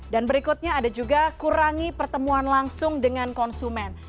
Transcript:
dan berikutnya ada juga kurangi pertemuan langsung dengan konsumen